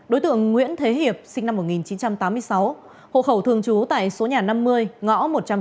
đối tượng nguyễn thế hiệp sinh năm một nghìn chín trăm tám mươi sáu hộ khẩu thường trú tại số nhà năm mươi ngõ một trăm sáu mươi